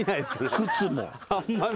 靴も。